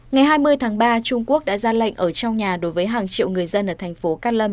ngày hai mươi tháng ba trung quốc đã ra lệnh ở trong nhà đối với hàng triệu người dân ở thành phố cát lâm